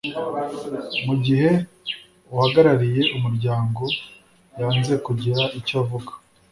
Mu gihe uhagarariye umuryango yanze kugira icyo avuga